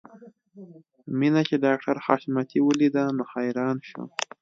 مينه چې ډاکټر حشمتي وليده نو حیران شو